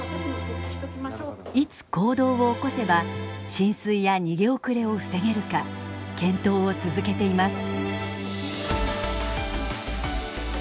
いつ行動を起こせば浸水や逃げ遅れを防げるか検討を続けています。